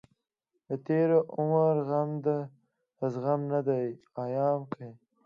دتېر عمر غم دزغم نه دی ايام کې